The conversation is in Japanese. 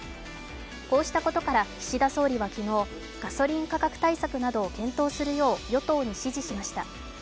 こうしたことから岸田総理は昨日、ガソリン価格対策などを検討するよう与党に指示しました。